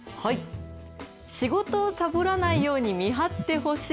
仕事をさぼらないように見張ってほしい。